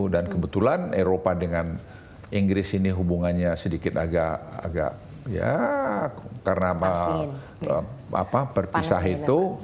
dan kebetulan eropa dengan inggris ini hubungannya sedikit agak ya karena apa perpisah itu